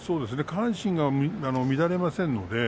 下半身が乱れません。